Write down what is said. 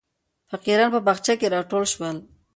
فقیران په باغچه کې راټول شول.